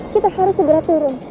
kita harus segera turun